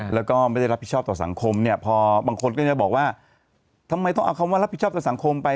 แล้วก็ไม่ได้รับผิดชอบต่อสังคมเนี่ยพอบางคนก็จะบอกว่าทำไมต้องเอาคำว่ารับผิดชอบต่อสังคมไป